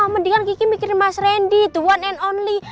mendingan kiki mikirin mas randy